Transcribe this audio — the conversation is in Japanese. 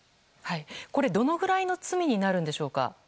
どのぐらいの罪になるんでしょうか。